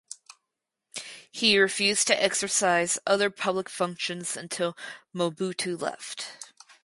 He refused to exercise other public functions until Mobutu left.